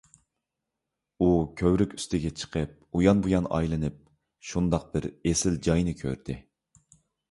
ئۇ كۆۋرۈك ئۈستىگە چىقىپ ئۇيان - بۇيان ئايلىنىپ، شۇنداق بىر ئېسىل جاينى كۆردى.